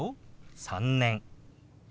「３年」。